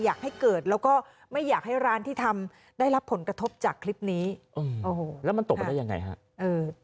อยากให้เกิดแล้วก็ไม่อยากให้ร้านที่ทำได้รับผลกระทบจากคลิปนี้โอ้โหแล้วมันตกไปได้ยังไงฮะ